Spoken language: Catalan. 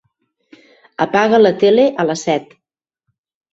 Apaga la tele a les set.